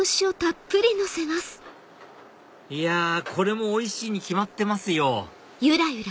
いやこれもおいしいに決まってますよ